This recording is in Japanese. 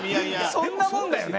そんなもんだよね。